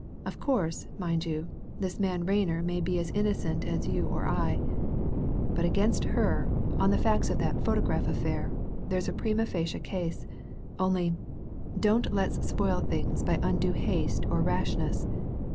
Of course, mind you, this man Rayner may be as innocent as you or I. But against her, on the facts of that photograph affair, there's a primâ facie case. Only don't let's spoil things by undue haste or rashness.